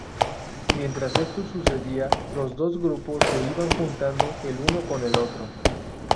Mientras esto sucedía, los dos grupos se iban juntando el uno con el otro.